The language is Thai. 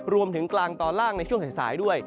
กลางตอนล่างในช่วงสายด้วย